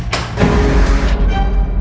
seseorang juga kecepatan